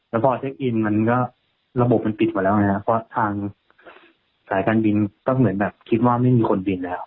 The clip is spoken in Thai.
แล้วพอเช็คอินมันก็ระบบมันปิดหมดแล้วไงครับเพราะทางสายการบินก็เหมือนแบบคิดว่าไม่มีคนบินแล้ว